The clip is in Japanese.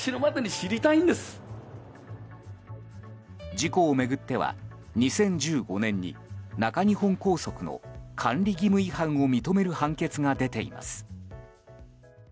事故を巡っては２０１５年に中日本高速の管理義務違反を認める判決が出ています。